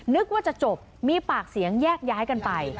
นึกว่าจะจบมีปากเสียงแยกย้ายกันไป